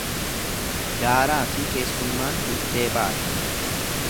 Daaraafi keessummaan bultee baati.